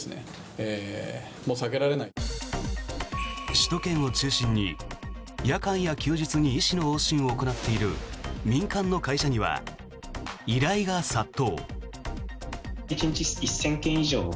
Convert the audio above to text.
首都圏を中心に夜間や休日に医師の往診を行っている民間の会社には依頼が殺到。